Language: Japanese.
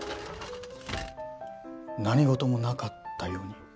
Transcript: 何事もなかったように？